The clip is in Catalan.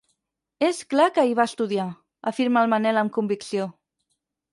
És clar que hi va estudiar —afirma el Manel amb convicció—.